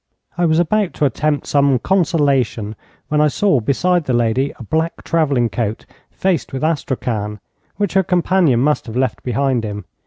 I was about to attempt some consolation, when I saw beside the lady a black travelling coat, faced with astrakhan, which her companion must have left behind him.